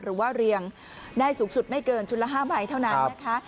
หรือว่าเรียงได้สูงสุดไม่เกินชุดละ๕ใบเท่านั้นนะคะ